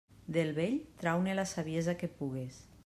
Del vell, trau-ne la saviesa que pugues.